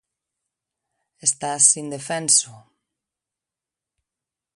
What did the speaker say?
Estás indefenso...